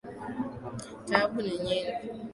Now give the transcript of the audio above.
Taabu ni nyingi.